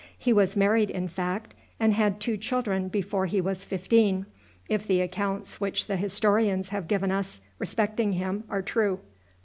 He was married, in fact, and had two children before he was fifteen, if the accounts which the historians have given us respecting him are true.